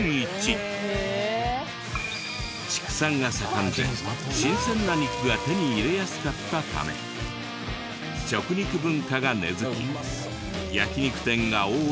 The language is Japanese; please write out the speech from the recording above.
畜産が盛んで新鮮な肉が手に入れやすかったため食肉文化が根付き焼肉店が多いらしい。